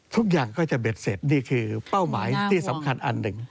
ทุกอย่างก็จะเบ็ดเสร็จนี่คือเป้าหมายที่สำคัญอันหนึ่ง